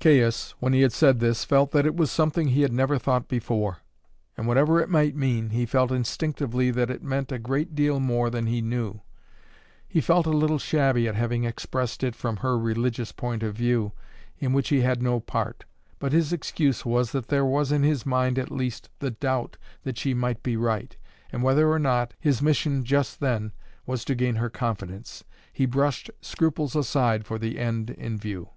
Caius, when he had said this, felt that it was something he had never thought before; and, whatever it might mean, he felt instinctively that it meant a great deal more than he knew. He felt a little shabby at having expressed it from her religious point of view, in which he had no part; but his excuse was that there was in his mind at least the doubt that she might be right, and, whether or not, his mission just then was to gain her confidence. He brushed scruples aside for the end in view.